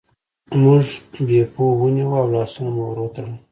موږ بیپو ونیوه او لاسونه مو ور وتړل.